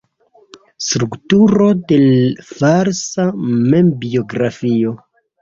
Strukturo de falsa membiografio.